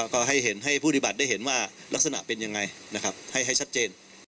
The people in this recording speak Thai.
ก็ให้ผู้ปฏิบัติได้เห็นว่าลักษณะเป็นยังไงนะครับให้ชัดเจน